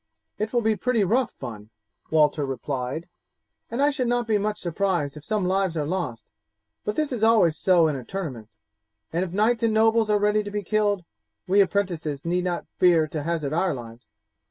"It will be pretty rough fun," Walter replied; "and I should not be much surprised if some lives are lost; but this is always so in a tournament; and if knights and nobles are ready to be killed, we apprentices need not fear to hazard our lives.